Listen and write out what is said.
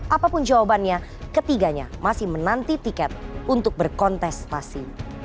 apapun jawabannya ketiganya masih menanti tiket untuk berkontestasi